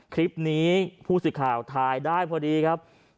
คลิปนี้ผู้สื่อข่าวถ่ายได้พอดีครับ